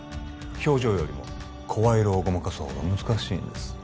表情よりも声色をごまかす方が難しいんです